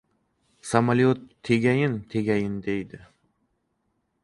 Samolyot tegayin-tegayin deydi.